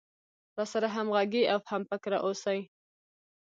راسره همغږى او هم فکره اوسي.